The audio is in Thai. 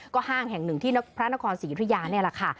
ห้างแห่งหนึ่งที่พระนครศรียุธยานี่แหละค่ะ